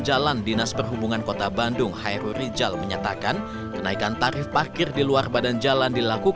jalan dinas perhubungan kota bandung hairu rijal menyatakan kenaikan tarif parkir di luar badan jalan